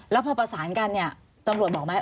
แล้วพอประสานกันเนี่ยตำรวจบอกไหม